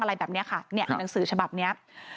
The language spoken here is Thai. อะไรแบบนี้ค่ะเนี่ยหนังสือฉบับนี้